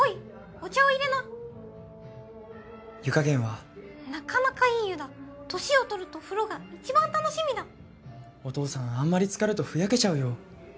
お茶を入れな湯加減はなかなかいい湯だ年を取ると風呂が一番楽しみだお父さんあんまりつかるとふやけちゃうよ